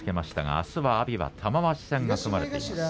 あすは玉鷲戦が組まれています。